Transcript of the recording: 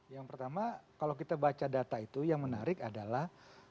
yang pertama kalau kita baca data itu yang menarik adalah